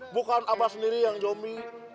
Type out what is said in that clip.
bukan abah sendiri yang jomy